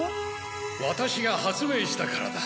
ワタシが発明したからだ。